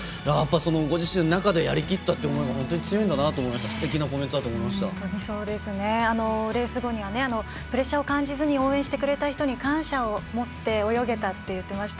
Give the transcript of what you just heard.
ご自身の中でやりきったって思いが強いんだなと思ってレース後にはプレッシャーを感じずに応援してくれた人に感謝の気持ちを持って泳げたといってました。